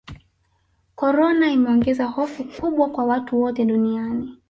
korona imeogeza hofu kubwa kwa watu wote duniani